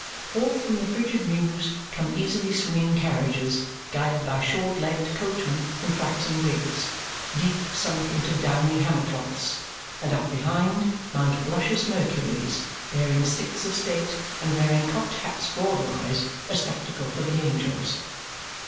Forth from the frigid mews come easily swinging carriages guided by short legged coachmen in flaxen wigs, deep sunk into downy hammercloths, and up behind mount luscious Mercuries bearing sticks of state and wearing cocked hats broadwise, a spectacle for the angels.